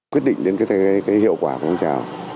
quyết định đến cái hiệu quả phong trào